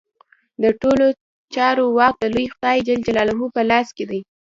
د ټولو چارو واک د لوی خدای جل جلاله په لاس کې دی.